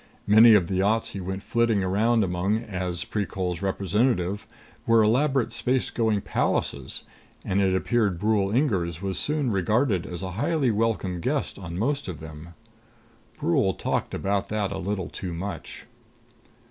Many of the yachts he went flitting around among as Precol's representative were elaborate spacegoing palaces, and it appeared Brule Inger was soon regarded as a highly welcome guest on most of them. Brule talked about that a little too much.